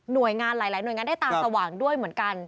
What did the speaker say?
โดยงานหลายหน่วยงานได้ตาสว่างด้วยเหมือนกัน